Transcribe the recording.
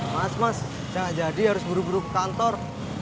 mas mas jangan jadi harus buru buru kantor